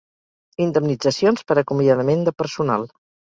Indemnitzacions per acomiadament de personal.